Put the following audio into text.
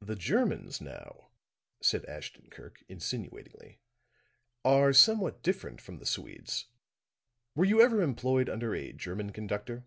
"The Germans, now," said Ashton Kirk, insinuatingly, "are somewhat different from the Swedes. Were you ever employed under a German conductor?"